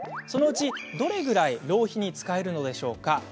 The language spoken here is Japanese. そのうち、どのぐらい浪費に使えるのでしょうか？